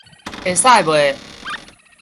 會使袂